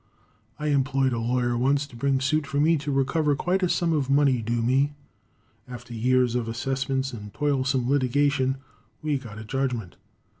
I employed a lawyer once to bring suit for me to recover quite a sum of money due me. After years of assessments and toilsome litigation, we got a judgment.